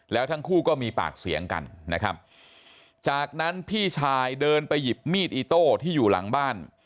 แล้วทั้งคู่ก็มีปากเสียงกันนะครับจากนั้นพี่ชายเดินไปหยิบมีดอิโต้ที่อยู่หลังบ้าน